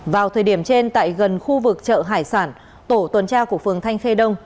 vào thời điểm trên tại gần khu vực chợ hải sản tổ tuần tra của phường thanh khê đông